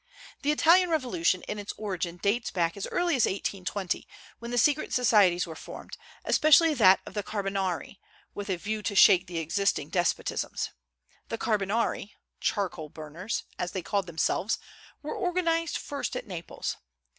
The Italian revolution in its origin dates back as early as 1820, when the secret societies were formed especially that of the Carbonari with a view to shake the existing despotisms. The Carbonari ("charcoal burners"), as they called themselves, were organized first at Naples.